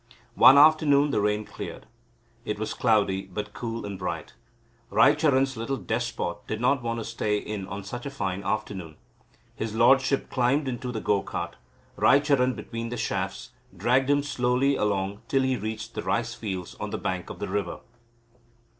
One afternoon the rain cleared. It was cloudy, but cool and bright. Raicharan's little despot did not want to stay in on such a fine afternoon. His lordship climbed into the go cart. Raicharan, between the shafts, dragged him slowly along till he reached the rice fields on the banks of the river.